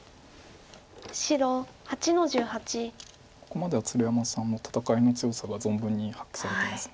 ここまでは鶴山さんの戦いの強さが存分に発揮されてます。